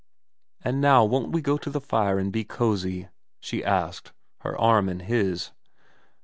' And now won't we go to the fire and be cosy ?' she asked, her arm in his.